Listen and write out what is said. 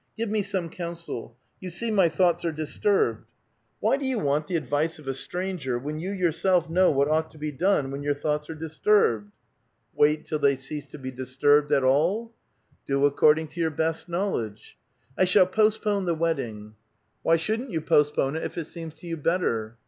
"Give me some counsel; you see my thoughts are dis turbed." " Why do you want the advice of a stranger when you .yourself know what ought to be done when your thoughts are disturbed." "Wait till thev cease to be disturbed at a''^" " Do according to your best knowledge." " I shall postpone the wedding." A VITAL QUESTION. 418 "Why shouldn't you postpone it if it seems to you better?"